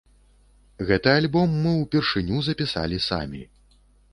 Гэты альбом мы ўпершыню запісалі самі.